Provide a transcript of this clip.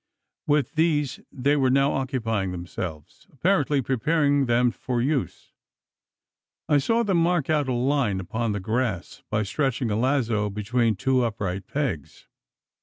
With these they were now occupying themselves apparently preparing them for use. I saw them mark out a line upon the grass, by stretching a lazo between two upright pegs.